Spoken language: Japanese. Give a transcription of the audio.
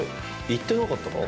言ってなかったか？